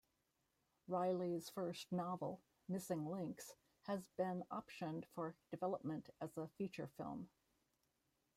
Reilly's first novel, "Missing Links", has been optioned for development as a feature film.